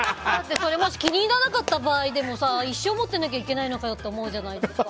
それもし気に入らなかった場合でも一生持ってなきゃいけないのかよって思うじゃないですか。